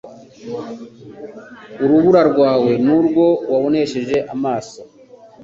urubura rwawe nurwo wabonesheje amaso